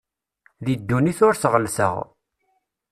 Di ddunit ur t-ɣellteɣ.